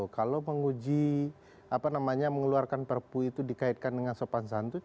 kalau menguji apa namanya mengeluarkan perpu itu dikaitkan dengan sopan santun